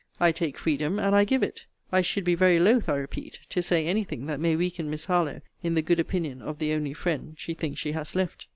I take freedom, and I give it. I should be very loth, I repeat, to say any thing that may weaken Miss Harlowe in the good opinion of the only friend she thinks she has left.